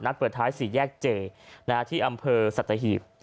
นัดเปิดท้าย๔แยกเจที่อำเภอสัตเทฮีบ